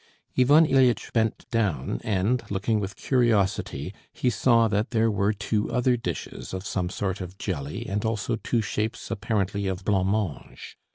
Ivan Ilyitch bent down, and looking with curiosity, he saw that there were two other dishes of some sort of jelly and also two shapes apparently of blancmange.